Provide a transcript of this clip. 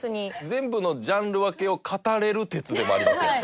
「全部のジャンル分けを語れる鉄」でもありますやん。